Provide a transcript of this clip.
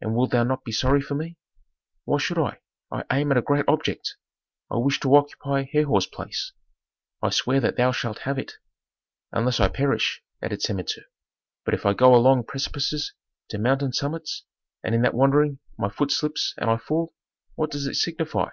"And wilt thou not be sorry for me?" "Why should I? I aim at a great object; I wish to occupy Herhor's place." "I swear that thou shalt have it." "Unless I perish," added Samentu. "But if I go along precipices to mountain summits, and in that wandering my foot slips and I fall, what does it signify?